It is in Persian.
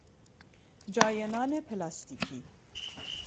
جای نان پلاستیکی